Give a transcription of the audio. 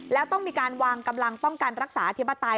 แล้วต้องมีการวางกำลังป้องกันรักษาอธิปไตย